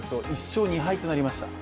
１勝２敗となりました。